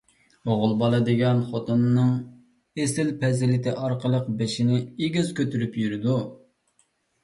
ئوغۇل بالا دېگەن خوتۇننىڭ ئېسىل پەزىلىتى ئارقىلىق بېشىنى ئېگىز كۆتۈرۈپ يۈرىدۇ.